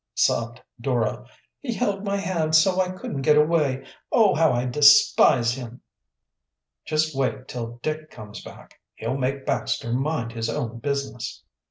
sobbed Dora. "He held my hand so I couldn't get away. Oh, how I despise him!" "Just wait till Dick comes back; he'll make Baxter mind his own business."